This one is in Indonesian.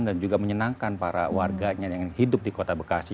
dan juga menyenangkan para warganya yang hidup di kota bekasi